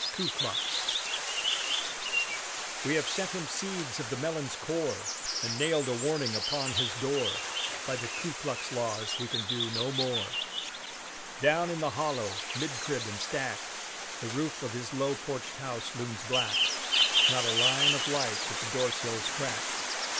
KU KLUX We have sent him seeds of the melon's core, And nailed a warning upon his door; By the Ku Klux laws we can do no more. Down in the hollow, 'mid crib and stack, The roof of his low porched house looms black, Not a line of light at the doorsill's crack.